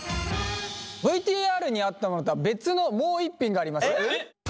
ＶＴＲにあったのとは別のもう一品があります。